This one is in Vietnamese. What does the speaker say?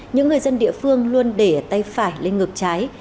những người dân địa phương luôn để tay phải lên ngược trái